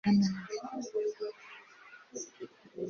Ariko se ko mbona utangiye kumfata nabi